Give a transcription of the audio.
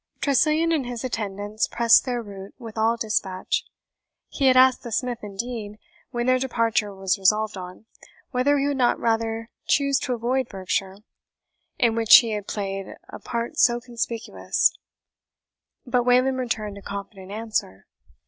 Tressilian and his attendants pressed their route with all dispatch. He had asked the smith, indeed, when their departure was resolved on, whether he would not rather choose to avoid Berkshire, in which he had played a part so conspicuous? But Wayland returned a confident answer.